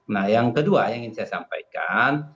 nah yang kedua yang ingin saya sampaikan